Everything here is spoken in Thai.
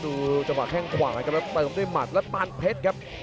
ดูจังหวะแข้งขวากำลังตายตรงด้วยมัดแล้วปานเพชรครับ